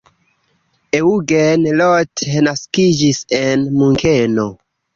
Eugen Roth naskiĝis en Munkeno.